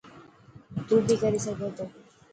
تون بي ڪري سگهي ٿو.